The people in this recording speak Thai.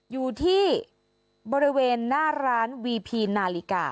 อยู่ที่บริเวณหน้าร้านวีพีนาฬิกา